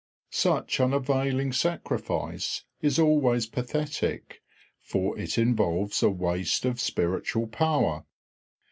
Such unavailing sacrifice is always pathetic, for it involves a waste of spiritual power.